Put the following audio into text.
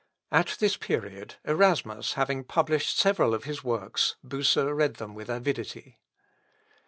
At this period Erasmus having published several of his works, Bucer read them with avidity.